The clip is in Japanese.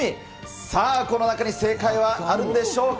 さあ、この中に正解はあるんでしょうか。